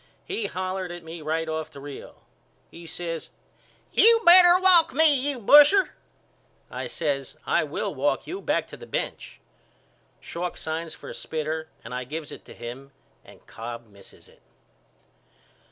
He hollered at me right off the reel. He says You better walk me you busher. I says I will walk you back to the bench. Schalk signs for a spitter and I gives it to him and Cobb misses it.